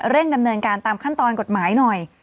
ดำเนินการตามขั้นตอนกฎหมายหน่อย